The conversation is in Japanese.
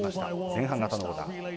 前半型のオーダー。